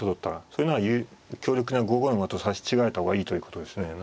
それなら強力な５五の馬と刺し違えた方がいいということですね。